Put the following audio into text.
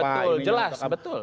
betul jelas betul